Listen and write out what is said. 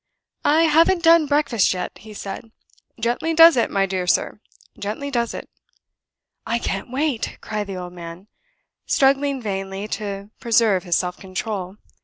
"I haven't done breakfast yet," he said. "Gently does it, my dear sir gently does it." "I can't wait!" cried the old man, struggling vainly to preserve his self control.